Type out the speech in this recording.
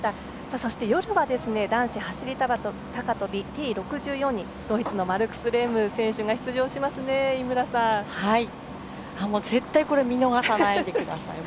そして夜は男子走り幅跳びＴ６４にドイツのマルクス・レーム選手が出場しますね、井村さん。絶対見逃さないでください。